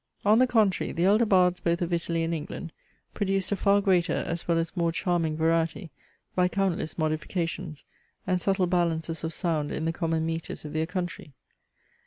On the contrary, the elder bards both of Italy and England produced a far greater as well as more charming variety by countless modifications, and subtle balances of sound in the common metres of their country.